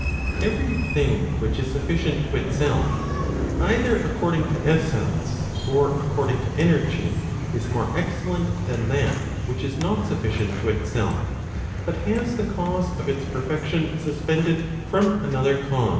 Every thing which is sufficient to itself, either according to essence, or according to energy, is more excellent than that which is not sufficient to itself, but has the cause of its perfection suspended from another cause.